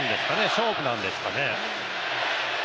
勝負なんですかね。